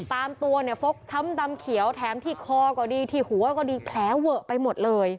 ตามตัวเนี่ยฟกช้ำดำเขียวแถมที่คอก็ดีที่หัวก็ดีแผลเวอะไปหมดเลย